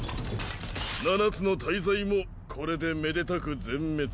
七つの大罪もこれでめでたく全滅。